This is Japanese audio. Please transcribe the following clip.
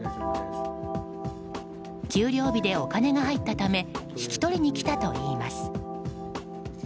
給料日でお金が入ったため引き取りに来たといいます。